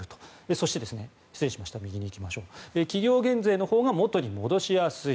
そして、企業減税のほうが元に戻しやすい。